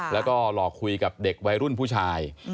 แล้วก็หลอกคุยกับเด็กวัยรุ่นผู้ชาย